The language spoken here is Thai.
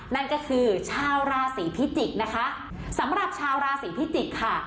นั่นก็คือชาวราศีพิจิกษ์นะคะสำหรับชาวราศีพิจิกษ์ค่ะ